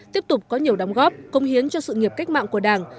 tiếp tục có nhiều đóng góp công hiến cho sự nghiệp cách mạng của đảng